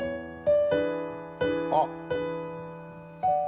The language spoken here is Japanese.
あっ。